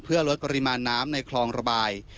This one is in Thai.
เพื่อลดปริมาณน้ำในคลองระบาย